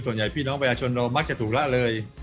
ส่วนใหญ่พี่น้องพยาชนเรามักจะถูกละเลย